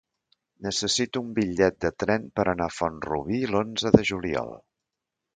Necessito un bitllet de tren per anar a Font-rubí l'onze de juliol.